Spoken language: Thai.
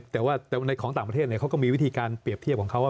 แต่ว่าในของต่างประเทศเขาก็มีวิธีการเปรียบเทียบของเขาว่า